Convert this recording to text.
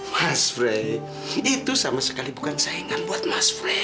mas frey itu sama sekali bukan saingan buat mas fred